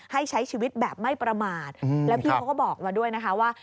ให้ใช้ชีวิตแบบไม่ประมาทแล้วพี่เขาก็บอกมาด้วยนะคะว่า